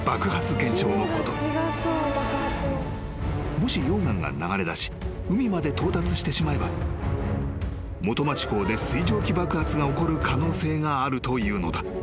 ［もし溶岩が流れだし海まで到達してしまえば元町港で水蒸気爆発が起こる可能性があるというのだ］